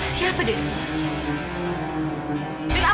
siapa dia sebenarnya